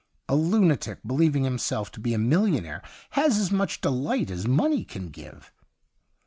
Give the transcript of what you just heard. A lunatic believing himself to be a millionaire has as much delight as money can give.'